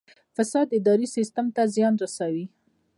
فساد اداري سیستم ته څه زیان رسوي؟